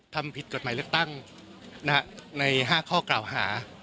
ทำผิดกฎหมายเลือกตั้งใน๕ข้อกล่าวหา